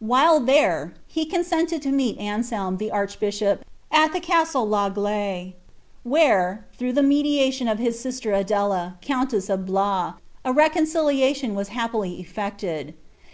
While there, he consented to meet Anselou the archbishop, at the castle of PAigle, where, through the mediation of his sister Adela, countess of Blois, a reconciliation was happily eflected.